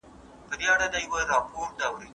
ګډ بازارونه د توکو بیې کنټرولوي.